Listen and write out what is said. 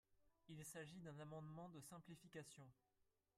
Il s’agit d’un amendement de simplification.